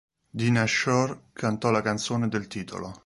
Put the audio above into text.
Dinah Shore cantò la canzone del titolo.